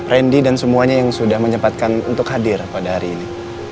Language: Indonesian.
randy dan semuanya yang sudah menyempatkan untuk hadir pada hari ini